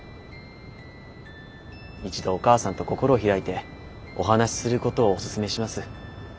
一度お母さんと心を開いてお話しすることをおすすめします。